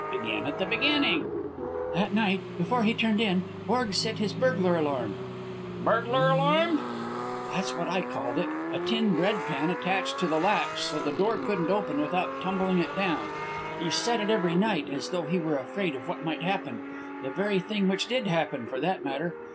Begin at the beginning." "That night, before he turned in, Borg set his burglar alarm " "Burglar alarm?" "That's what I called it, a tin bread pan attached to the latch so the door couldn't open without tumbling it down. He set it every night, as though he were afraid of what might happen, the very thing which did happen, for that matter.